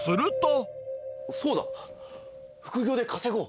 そうだ、副業で稼ごう。